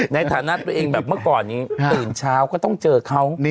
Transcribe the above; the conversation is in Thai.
ในฐานะตัวเองแบบเมื่อก่อนนี้ตื่นเช้าก็ต้องเจอเขา